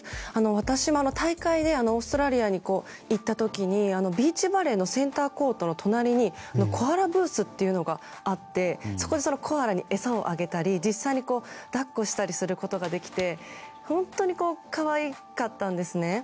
私も大会でオーストラリアに行った時にビーチバレーのセンターコートの隣にコアラブースというのがあってそこのコアラに餌をあげたり実際に抱っこしたりすることができて本当に可愛かったんですね。